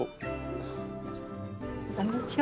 こんにちは。